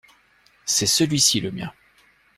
C’est celui-ci le mien.